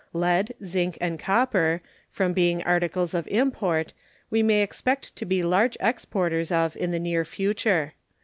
Lead, zinc, and copper, from being articles of import, we may expect to be large exporters of in the near future.